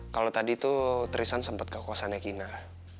kalau tadi tuh tristan sempat ke kawasannya kinar